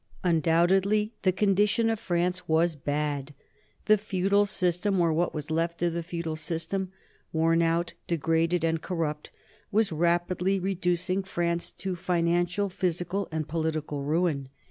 Undoubtedly the condition of France was bad. The feudal system, or what was left of the feudal system, worn out, degraded, and corrupt, was rapidly reducing France to financial, physical, and political ruin.